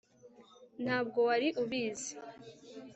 ntabwo wari ubizi